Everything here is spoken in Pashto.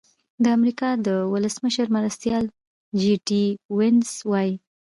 د امریکا د ولسمشر مرستیال جي ډي وینس وايي.